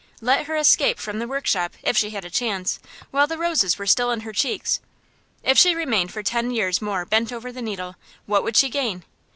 Let her escape from the workshop, if she had a chance, while the roses were still in her cheeks. If she remained for ten years more bent over the needle, what would she gain?